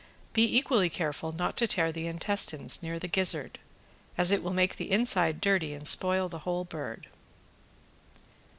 Be equally careful not to tear the intestines near the gizzard, as it will make the inside dirty and spoil the whole bird.